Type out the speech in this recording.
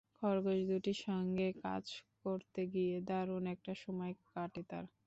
খরগোশ দুটির সঙ্গে কাজ করতে গিয়ে দারুণ একটা সময় কাটে তাঁর।